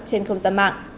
trên không gian mạng